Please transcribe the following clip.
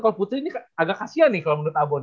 kalo putri ini agak kasihan nih kalo menurut abon